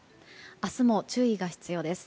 明日も注意が必要です。